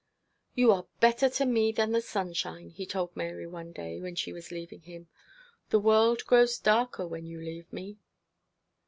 'You are better to me than the sunshine,' he told Mary one day when she was leaving him. 'The world grows darker when you leave me.'